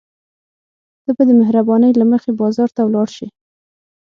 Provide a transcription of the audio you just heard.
ته به د مهربانۍ له مخې بازار ته ولاړ شې.